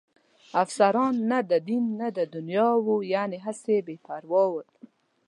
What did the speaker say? افسران نه د دین نه د دنیا وو، یعنې هسې بې پروا ول.